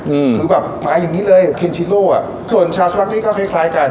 อืมคือแบบมาอย่างงี้เลยพินชิโลอ่ะส่วนชาสต๊อตนี้ก็คล้ายคล้ายกัน